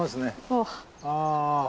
ああ。